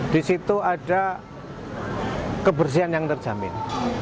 di situ ada kebersihan yang terjamin